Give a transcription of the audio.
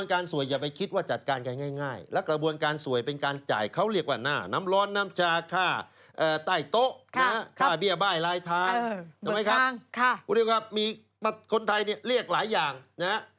ข้าเบี้ยบ้ายรายทางทำไมครับคุณเรียกครับมีคนไทยเนี่ยเรียกหลายอย่างนะครับ